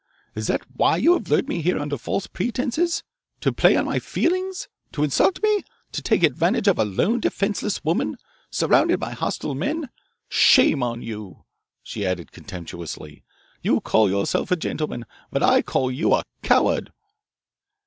Is that why you have lured me here under false pretences, to play on my feelings, to insult me, to take advantage of a lone, defenceless woman, surrounded by hostile men? Shame on you," she added contemptuously. "You call yourself a gentleman, but I call you a coward."